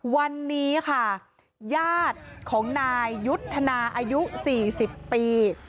วันนี้ค่ะญาติของนายยุทธนาอายุ๔๐ปี